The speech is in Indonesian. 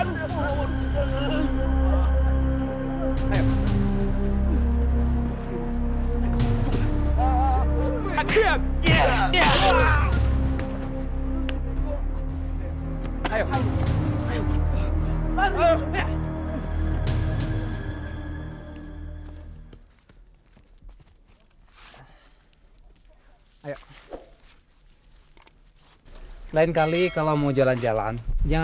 sampai jumpa di video selanjutnya